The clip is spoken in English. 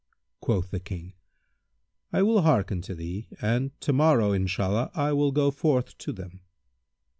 Quoth the King, "I will hearken to thee and to morrow, Inshallah, I will go forth to them."